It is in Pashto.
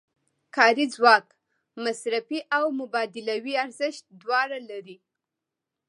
کاري ځواک مصرفي او مبادلوي ارزښت دواړه لري